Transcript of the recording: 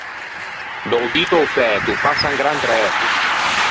Da-o dito a-o fæto passa un gran træto.